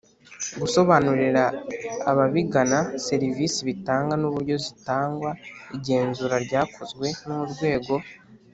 Gusobanurira ababigana serivisi bitanga n uburyo zitangwa igenzura ryakozwe n urwego